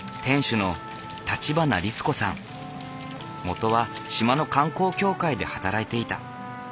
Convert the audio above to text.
元は島の観光協会で働いていた。